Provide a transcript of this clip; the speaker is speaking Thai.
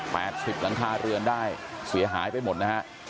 สิบหลังคาเรือนได้เสียหายไปหมดนะฮะ